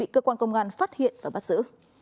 cơ quan công an phát hiện và bắt giữ